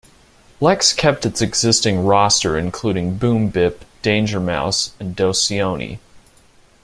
Lex kept its existing roster including Boom Bip, Danger Mouse and Doseone.